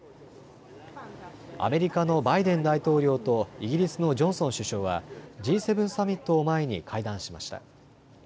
アメリカのバイデン大統領とイギリスのジョンソン首相はＧ７サミットを前に会談しました。